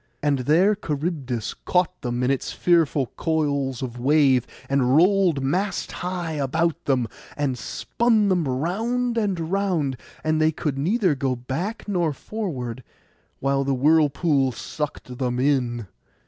And there Charybdis caught them in its fearful coils of wave, and rolled mast high about them, and spun them round and round; and they could go neither back nor forward, while the whirlpool sucked them in.